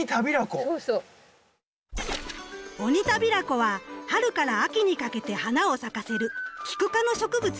オニタビラコは春から秋にかけて花を咲かせるキク科の植物。